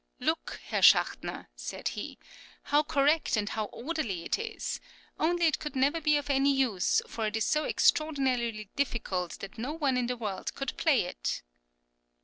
"Look, Herr Schachtner," said he, "how correct and how orderly it is; only it could never be of any use, for it is so extraordinarily difficult that no one in the world could play it."